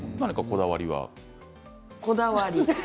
こだわり？